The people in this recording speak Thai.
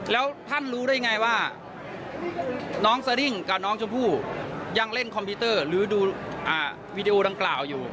แล้วท่านรู้ได้ไงว่าน้องสดิ้งกับน้องชมพู่ยังเล่นคอมพิวเตอร์หรือดูวีดีโอดังกล่าวอยู่